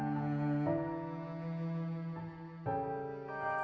kamu harus mencoba untuk mencoba